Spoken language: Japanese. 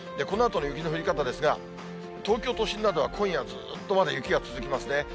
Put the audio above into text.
このあとの雪の降り方ですが、東京都心などは今夜、ずーっとまだ雪が続きますね。